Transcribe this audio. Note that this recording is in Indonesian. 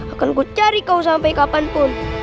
akanku cari kau sampai kapanpun